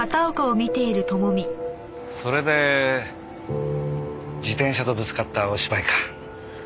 それで自転車とぶつかったお芝居か。